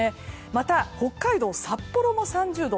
また、北海道札幌も３０度。